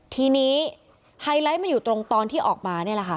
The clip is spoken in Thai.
ทีนี้ไฮไลท์มันอยู่ตรงตอนที่ออกมานี่แหละค่ะ